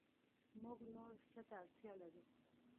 موږ نور څه ته اړتیا لرو